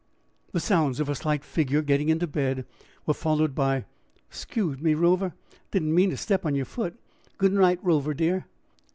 The sounds of a slight figure getting into bed were followed by "'Scuse me, Rover, I didn't mean to step on yer foot; goodnight, Rover, dear."